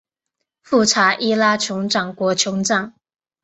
富查伊拉酋长国酋长